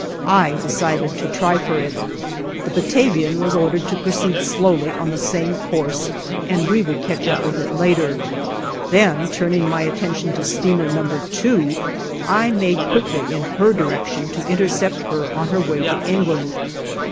I decided to try for it. The "Batavian" was ordered to proceed slowly on the same course, and we would catch up with it later; then turning my attention to steamer No. 2, I made quickly in her direction to intercept her on her way to England.